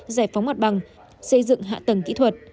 giải phóng mặt bằng xây dựng hạ tầng kỹ thuật